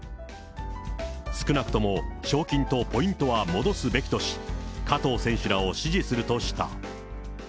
少なくとも賞金とポイントは戻すべきとし、加藤選手らを支持するとした。